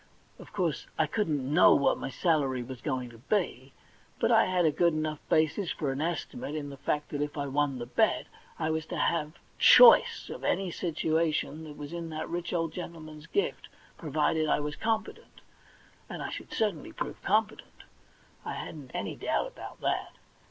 Of course I couldn't linon) what my salary was going to be, but I had a good enough basis for an esti mate in the fact that, if I won the bet, I was to have clioice of any situation in that rich old gentleman's gift provided I was competent — and I should cer tainly prove competent ; I hadn't any doubt about 20 THE £1,000 fiOO BANK NOTE that.